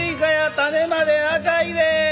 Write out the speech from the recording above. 種まで赤いで」。